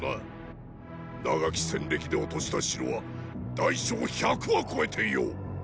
長き戦歴で落とした城は大小百は超えていよう。